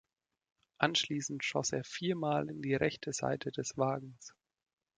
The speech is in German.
Anschließend schoss er viermal in die rechte Seite des Wagens.